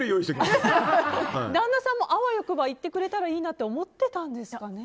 旦那さんもあわよくば言ってくれればいいなと思ってたんですかね。